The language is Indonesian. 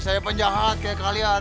saya penjahat kayak kalian